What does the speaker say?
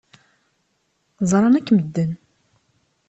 Ẓṛan akk medden.